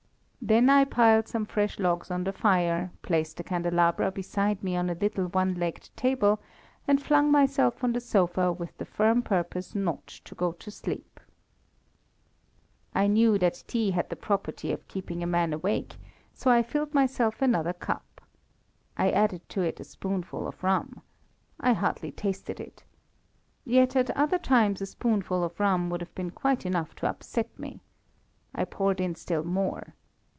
Then I piled some fresh logs on the fire, placed the candelabra beside me on a little one legged table, and flung myself on the sofa with the firm purpose not to go to sleep. I knew that tea had the property of keeping a man awake, so I filled myself another cup. I added to it a spoonful of rum. I hardly tasted it. Yet at other times a spoonful of rum would have been quite enough to upset me. I poured in still more.